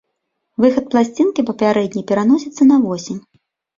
Выхад пласцінкі папярэдне пераносіцца на восень.